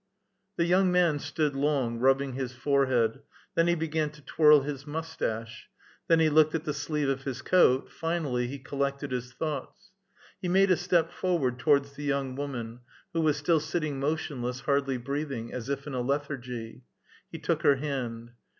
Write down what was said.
The young man stood long, rubbing his forehead ; then he began to twirl his mustache ; then he looked at the sleeve of his coat ; finally he collected his thoughts. He made a step forward towards the young woman, who was still sitting motionless, hardly breathing, as if in a lethargy. He took her hand.